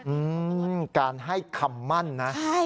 อืมการให้คำมั่นนะใช่